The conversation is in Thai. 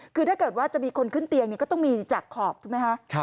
คือถ้าเกิดว่าจะมีคนขึ้นเตียงก็ต้องมีจากขอบถูกไหมคะ